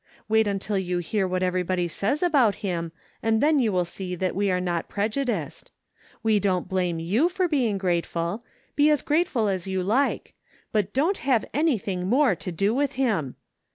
Wait until you hear what everybody says about him and then you will see we are not prejudiced. We don't blame you for being grateful. Be as grateful as you like — but don't have anything more to do with him!